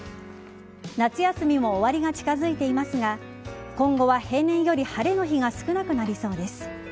夏休みも終わりが近づいていますが今後は、平年より晴れの日が少なくなりそうです。